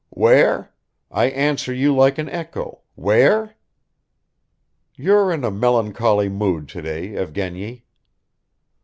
"Where? I answer you like an echo; where?" "You're in a melancholy mood today, Evgeny."